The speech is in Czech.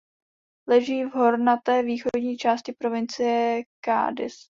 Leží v hornaté východní části provincie Cádiz.